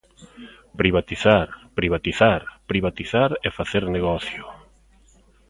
¡Privatizar, privatizar, privatizar e facer negocio!